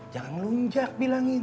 jangan ngelunjak bilangin